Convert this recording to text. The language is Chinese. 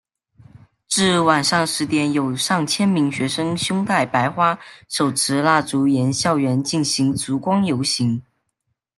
至晚上十点有上千名学生胸带白花手持蜡烛沿校园进行烛光游行。